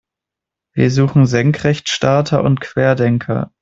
Wir suchen Senkrechtstarter und Querdenker.